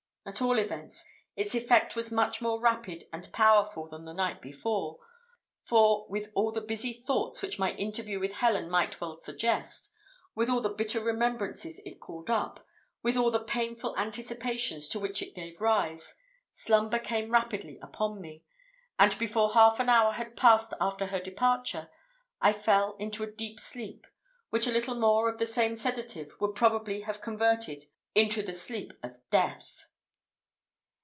At all events, its effect was much more rapid and powerful than the night before; for, with all the busy thoughts which my interview with Helen might well suggest, with all the bitter remembrances it called up, with all the painful anticipations to which it gave rise, slumber came rapidly upon me; and before half an hour had passed after her departure, I fell into a deep sleep, which a little more of the same sedative would probably have converted into the sleep of death.